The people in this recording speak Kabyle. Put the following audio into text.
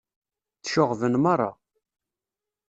Tceɣɣben merra.